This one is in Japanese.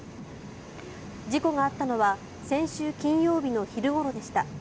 事故があったのは先週金曜日の昼ごろでした。